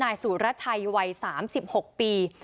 นายสุรชัยวัย๓๖ปี